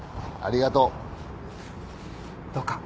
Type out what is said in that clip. ありがとう。